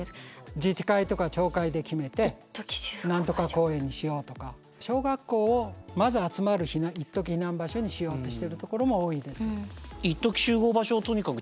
自治会とか町会で決めて何とか公園にしようとか小学校をまず集まる一時避難場所にしようとしてるところも多いです。